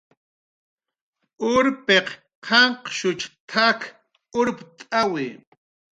"Urpiq qanqshuch t""ak urpt'ku"